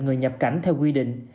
người nhập cảnh theo quy định